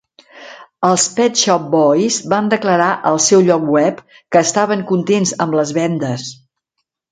Els Pet Shop Boys van declarar al seu lloc web que estaven contents amb les vendes.